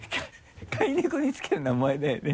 飼い猫につける名前だよね？